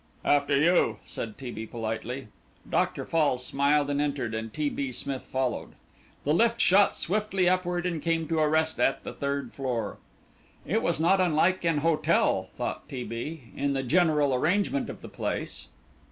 "After you," said T. B. politely. Dr. Fall smiled and entered, and T. B. Smith followed. The lift shot swiftly upward and came to a rest at the third floor. It was not unlike an hotel, thought T. B., in the general arrangement of the place.